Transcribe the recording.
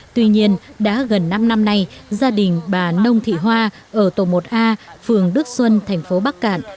tuy nhiên đã gần năm năm nay gia đình bà nông thị hoa ở tổ một a phường đức xuân thành phố bắc cạn